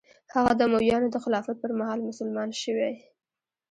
هغه د امویانو د خلافت پر مهال مسلمان شوی.